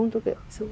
そう。